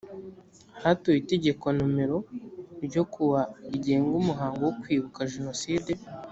hatowe itegeko nimero ryo kuwa rigenga umuhango wo kwibuka jenoside